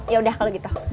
ya udah kalau gitu